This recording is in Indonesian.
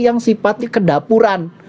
yang sifatnya kedapuran